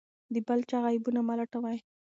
د بل چا عیبونه مه لټوه.